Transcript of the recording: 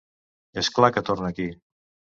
És clar que torna aquí.